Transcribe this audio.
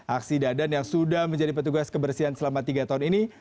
aksi dadan yang sudah menjadi petugas kebersihan selama tiga tahun ini